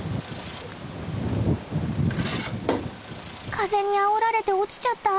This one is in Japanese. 風にあおられて落ちちゃった？